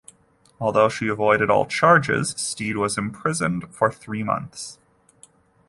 Although she avoided all charges, Stead was imprisoned for three months.